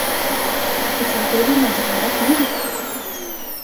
که ټولګی وي نو جهالت نه وي.